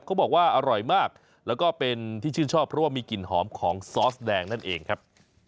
เขาบอกว่าอร่อยมากแล้วก็เป็นที่ชื่นชอบเพราะว่ามีกลิ่นหอมของซอสแดงนั่นเองครับ